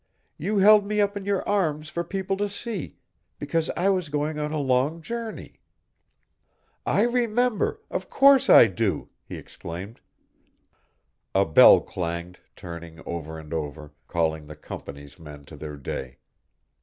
You held me up in your arms for people to see, because I was going on a long journey." "I remember, of course I do!" he exclaimed. A bell clanged, turning over and over, calling the Company's men to their day.